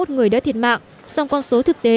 người đã thiệt mạng song con số thực tế